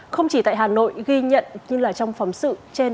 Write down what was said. không chỉ tại hà nội ghi nhận như là trong phóng sự trên